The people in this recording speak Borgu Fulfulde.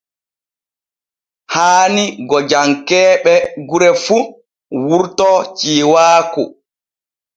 Haani gojankee ɓe gure fu wurto ciiwaaku.